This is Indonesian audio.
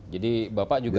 jadi bapak juga